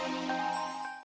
mau gak jadi pacar aku